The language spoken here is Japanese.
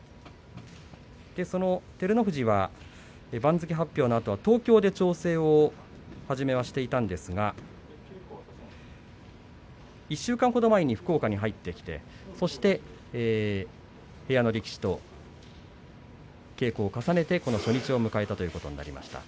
照ノ富士は番付発表のあと東京で調整を初めはしていたんですが１週間ほど前に福岡に入ってそして部屋の力士と稽古を重ねて初日を迎えたということになります。